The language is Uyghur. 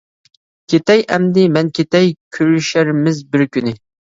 كېتەي ئەمدى مەن كېتەي، كۆرۈشەرمىز بىر كۈنى.